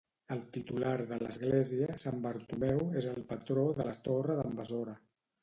El titular de l'església, Sant Bartomeu, és el patró de la Torre d'en Besora.